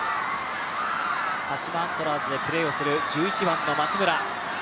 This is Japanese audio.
鹿島アントラーズでプレーをする１１番の松村。